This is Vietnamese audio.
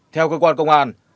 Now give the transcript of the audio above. theo cơ quan công an